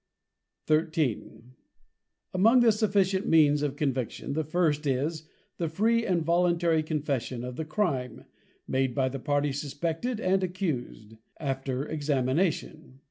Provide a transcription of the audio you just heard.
_ XIII. _Among the sufficient means of Conviction, the first is, the free and voluntary Confession of the Crime, made by the party suspected and accused, after Examination.